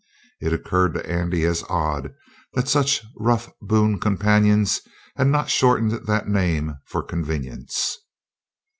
It occurred to Andy as odd that such rough boon companions had not shortened that name for convenience.